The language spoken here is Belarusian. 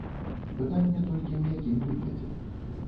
Пытанне толькі, у якім выглядзе.